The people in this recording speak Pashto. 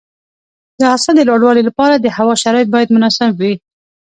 د حاصل د لوړوالي لپاره د هوا شرایط باید مناسب وي.